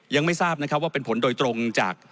ยังไม่ทราบนะครับว่าเป็นผลโดยตรงจาก